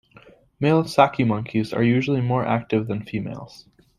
Male saki monkeys are usually more active than females.